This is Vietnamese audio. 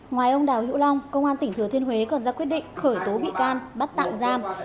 ngoài ông đào hữu long công an tỉnh thừa thiên huế còn ra quyết định khởi tố bị can bắt tạm giam